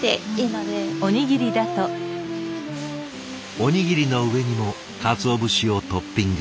おにぎりの上にも鰹節をトッピング。